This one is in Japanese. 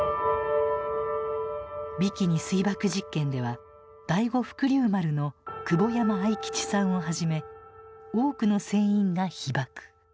ビキニ水爆実験では第五福竜丸の久保山愛吉さんをはじめ多くの船員が被ばく。